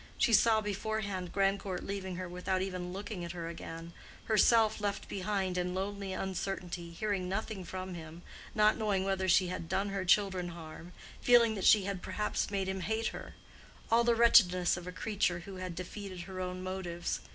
She saw beforehand Grandcourt leaving her without even looking at her again—herself left behind in lonely uncertainty—hearing nothing from him—not knowing whether she had done her children harm—feeling that she had perhaps made him hate her;—all the wretchedness of a creature who had defeated her own motives.